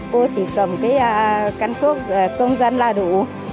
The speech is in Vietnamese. cô chỉ cầm cái căn cước công dân là đủ